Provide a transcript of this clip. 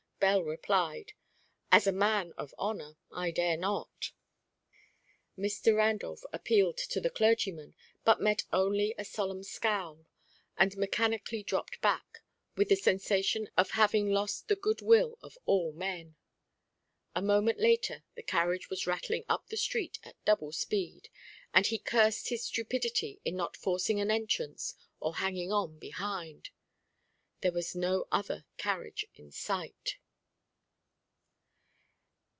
Bell replied: "As a man of honour, I dare not." Mr. Randolph appealed to the clergyman, but met only a solemn scowl, and mechanically dropped back, with the sensation of having lost the good will of all men. A moment later the carriage was rattling up the street at double speed, and he cursed his stupidity in not forcing an entrance, or hanging on behind. There was no other carriage in sight.